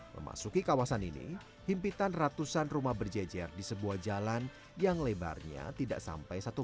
memasuki kawasan ini himpitan ratusan rumah berjejer di sebuah jalan yang lebarnya tidak sampai satu meter